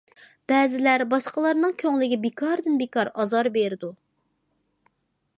بەزىلەر باشقىلارنىڭ كۆڭلىگە بىكاردىن- بىكار ئازار بېرىدۇ.